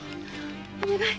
お願い！